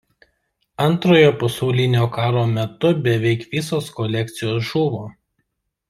Antrojo pasaulinio karo metu beveik visos kolekcijos žuvo.